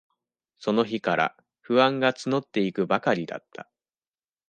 その日から、不安がつのっていくばかりだった。